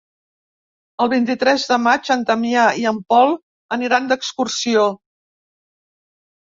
El vint-i-tres de maig en Damià i en Pol aniran d'excursió.